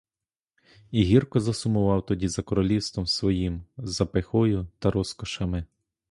І гірко засумував тоді за королівством своїм, за пихою та розкошами.